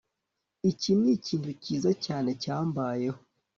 Iki nikintu cyiza cyane cyambayeho